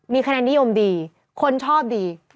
คะแนนนิยมดีคนชอบดี